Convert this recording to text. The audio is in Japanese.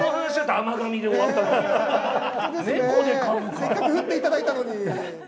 せっかく振っていただいたのに。